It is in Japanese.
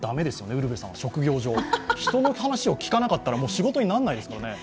ウルヴェさんは職業上人の話を聞かなかったら仕事にならないですからね。